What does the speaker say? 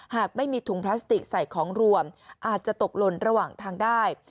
หากไม่มีถุงพลาสติกใส่ของรวมอาจจะตกหล่นระหว่างทางได้